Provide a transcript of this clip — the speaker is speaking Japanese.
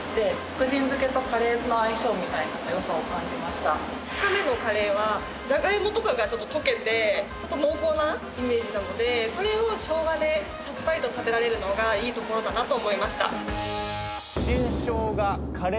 ２日目のカレーはジャガイモとかが溶けて濃厚なイメージなのでそれをしょうがでさっぱりと食べられるのがいいところだなと思いました。